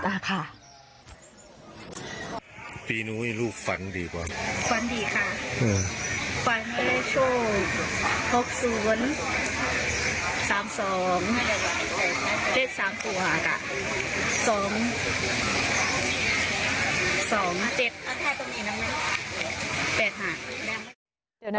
อะไรนะ